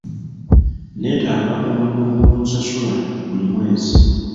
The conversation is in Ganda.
Nneetaaga omulimu ogunsasula buli mwezi.